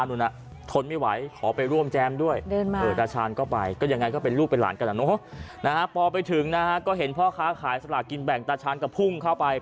ตานู้นอะทนไม่ไหวขอไปร่วมแจมด้วยโอ้โหปอล์ไปถึงนะก็เห็นพ่อค้าขายสละกินแบ่งตาชานกระพุ่งเข้าไป